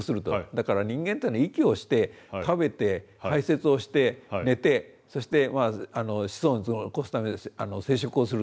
だから人間っていうのは息をして食べて排せつをして寝てそして子孫を残すために生殖をすると。